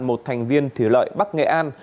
một thành viên thủy lợi bắc nghệ an